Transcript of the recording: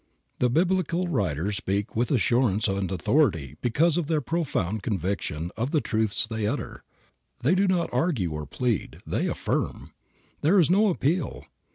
The Biblical writers speak with assurance and authority because of their profound conviction of the truths they utter. They do not argue or plead. They affirm. There is no appeal.